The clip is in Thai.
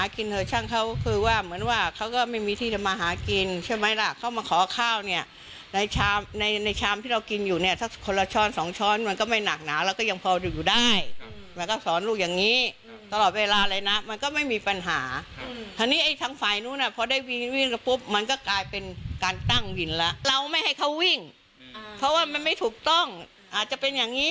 คือว่าเหมือนว่าเขาก็ไม่มีที่จะมาหากินใช่ไหมล่ะเขามาขอข้าวเนี้ยในชามในในชามที่เรากินอยู่เนี้ยสักคนละช้อนสองช้อนมันก็ไม่หนักหนาแล้วก็ยังพอดูอยู่ได้อืมมันก็สอนลูกอย่างงี้อืมตลอดเวลาเลยนะมันก็ไม่มีปัญหาอืมทีนี้ไอ้ทางฝ่ายนู้นอ่ะพอได้วินวินแล้วปุ๊บมันก็กลายเป็นการตั้งวินแล้วเราไม่ให